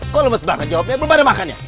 kok lemes banget jawabnya belum ada makannya